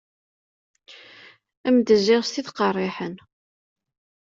Ad m-d-zziɣ s tid qerriḥen.